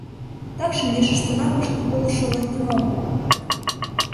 — Такшым ешыштына вашке колышо лектын огыл.